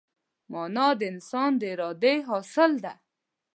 مانا د انسان د ارادې حاصل ده.